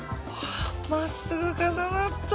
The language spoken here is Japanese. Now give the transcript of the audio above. まっすぐ重なった。